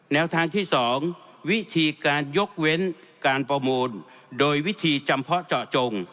แนวทางที่๒วิธีการยกเว้นการประมูลโดยวิธีจำเพาะเจาะจง